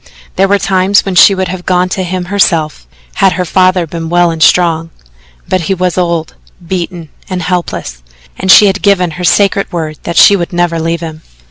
There were times when she would have gone to him herself, had her father been well and strong, but he was old, beaten and helpless, and she had given her sacred word that she would never leave him.